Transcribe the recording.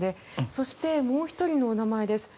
そしてもう１人のお名前です。